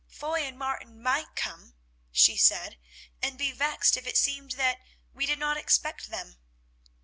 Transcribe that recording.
"Foy and Martin might come," she said, "and be vexed if it seemed that we did not expect them."